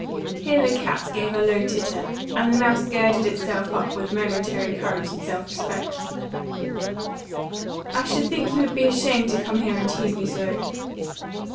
Here the cat gave a low titter, and the mouse girded itself up with a momentary courage and self respect. "I should think you would be ashamed to come here and tease me so."